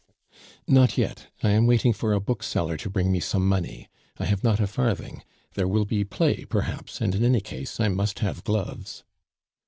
"Not yet. I am waiting for a bookseller to bring me some money; I have not a farthing; there will be play, perhaps, and in any case I must have gloves."